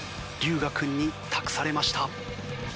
龍我君に託されました。